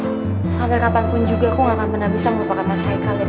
walaupun juga aku tidak akan bisa melupakan mas aikal